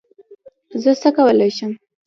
زه څه کولی شم؟